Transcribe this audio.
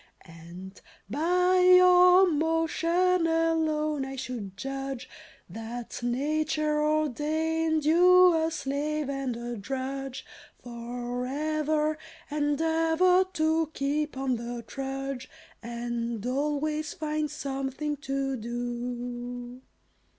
Ant, by your motion alone, I should judge That Nature ordained you a slave and a drudge, For ever and ever to keep on the trudge, And always find something to do.